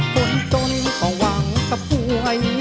คนจนก็หวังกับหวย